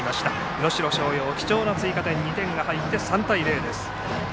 能代松陽、貴重な追加点２点が入って３対０です。